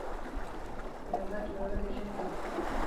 لغت جوړول د ژبې بقا ده.